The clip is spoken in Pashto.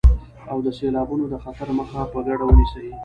او د سيلابونو د خطر مخه په ګډه ونيسئ.